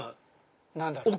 億？何だろう？